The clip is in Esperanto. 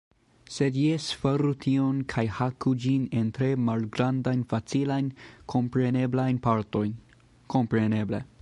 Sed jes faru tion kaj haku ĝin en tre malgrandajn facilajn, kompreneblajn partojn. Kompreneble.